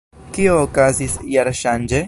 Kio okazis jarŝanĝe?